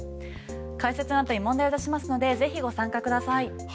解説のあとに問題を出しますのでぜひご参加ください。